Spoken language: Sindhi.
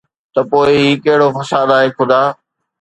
ته پوءِ هي ڪهڙو فساد آهي خدا؟